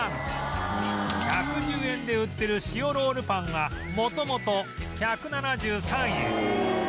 １１０円で売ってる塩ロールパンは元々１７３円